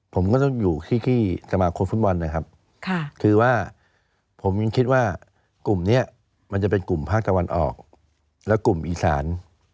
ผมก็ต้องอยู่ที่สมาคมฟุตบอลนะครับคือว่าผมยังคิดว่ากลุ่มนี้มันจะเป็นกลุ่มภาคตะวันออกและกลุ่มอีสาน